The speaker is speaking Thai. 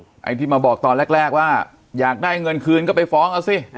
ไอ้ที่มาบอกตอนแรกว่าอยากได้เงินคืนก็ไปฟ้องเอาสิ